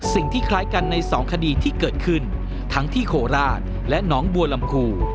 คล้ายกันในสองคดีที่เกิดขึ้นทั้งที่โคราชและน้องบัวลำพู